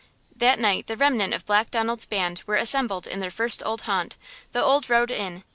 That night the remnant of Black Donald's band were assembled in their first old haunt, the Old Road Inn.